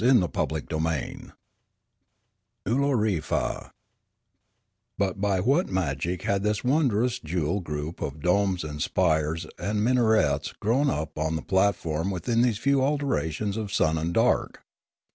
ify if mk CHAPTER XII OOLORKFA BUT by what magic had this wondrous jewel group of domes and spires and minarets grown upon the platform within these few alternations of sun and dark